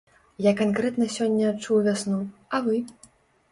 Я канкрэтна сёння адчуў вясну, а вы?